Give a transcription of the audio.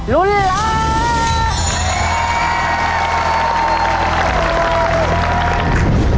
ลุ้นล้าน